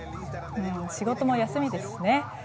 仕事も休みですしね。